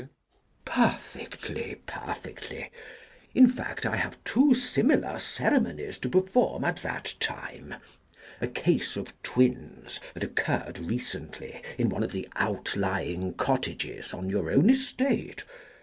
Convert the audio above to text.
CHASUBLE. Perfectly, perfectly! In fact I have two similar ceremonies to perform at that time. A case of twins that occurred recently in one of the outlying cottages on your own estate.